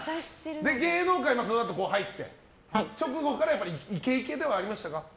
芸能界にそのあと入って直後からやっぱりイケイケではありましたか？